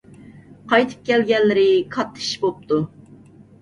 قايتىپ كەلگەنلىرى كاتتا ئىش بوپتۇ.